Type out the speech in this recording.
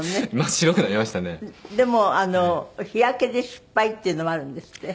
でも日焼けで失敗っていうのはあるんですって？